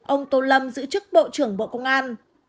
ông tô lâm giữ chức bộ trưởng bộ công an